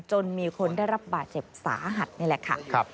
จนมีคนได้รับบาดเจ็บสาหัสนี่แหละค่ะ